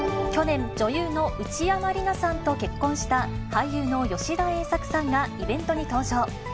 去年、女優の内山理名さんと結婚した俳優の吉田栄作さんがイベントに登場。